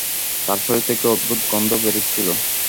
তার শরীর থেকে অদ্ভুত গন্ধ বেরুচ্ছিলো।